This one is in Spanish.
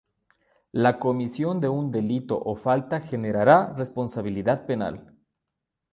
La comisión de un delito o falta generará responsabilidad penal.